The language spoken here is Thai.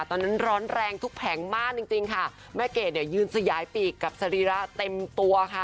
ร้อนแรงทุกแผงมากจริงจริงค่ะแม่เกดเนี่ยยืนสยายปีกกับสรีระเต็มตัวค่ะ